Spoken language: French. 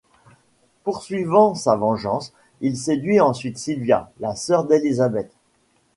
Poursuivant sa vengeance, il séduit ensuite Sylvia, la sœur d'Elisabeth.